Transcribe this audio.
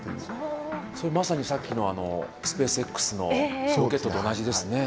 それまさにさっきのスペースＸのロケットと同じですね。